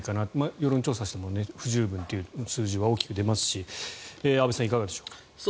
世論調査をしても不十分という数字が大きく出ますし安部さん、いかがでしょう。